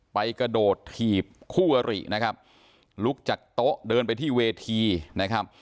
กระโดดถีบคู่อรินะครับลุกจากโต๊ะเดินไปที่เวทีนะครับ